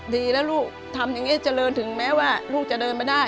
ดีแล้วลูกทำอย่างนี้เจริญถึงแม้ว่าลูกจะเดินไม่ได้